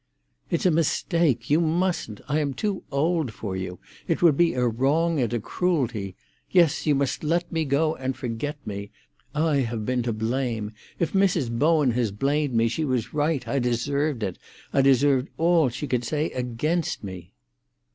"It's a mistake! You mustn't! I am too old for you! It would be a wrong and a cruelty! Yes, you must let me go, and forget me. I have been to blame. If Mrs. Bowen has blamed me, she was right—I deserved it; I deserved all she could say against me."